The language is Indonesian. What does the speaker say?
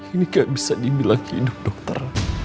ini kayak bisa dibilang hidup dokter